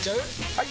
・はい！